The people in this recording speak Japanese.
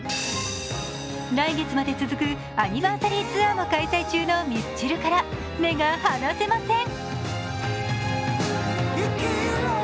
来月まで続くアニバーサリーツアーも開催中のミスチルから目が離せません。